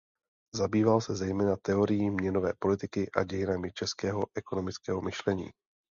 Zabýval se zejména teorií měnové politiky a dějinami českého ekonomického myšlení.